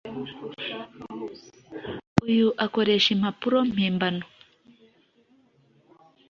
uyu akoresha impapuro mpimbano